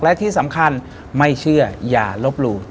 และที่สำคัญไม่เชื่ออย่าลบหลู่